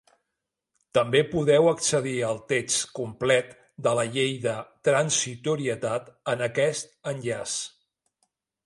També podeu accedir al text complet de la llei de transitorietat en aquest enllaç.